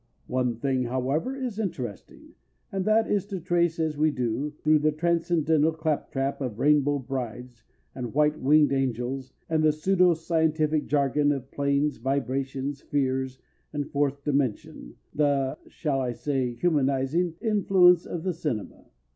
One thing, however, is interesting, and that is to trace as we do, through the transcendental claptrap of "rainbow brides" and white winged angels and the pseudo scientific jargon of "planes," "vibrations," "spheres," and "fourth dimension," the—shall I say humanizing—influence of the cinema.